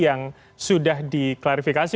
yang sudah diklarifikasi